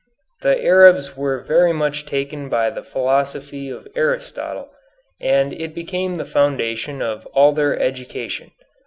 The Arabs were very much taken by the philosophy of Aristotle, and it became the foundation of all their education.